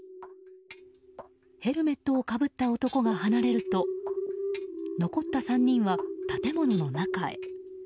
ヘルメットをかぶった男が離れると残った３人は、建物の中へ。